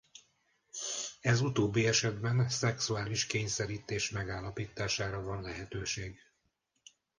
Ez utóbbi esetben szexuális kényszerítés megállapítására van lehetőség.